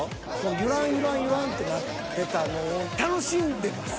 ゆらんゆらんゆらんってなってたのを楽しんでます！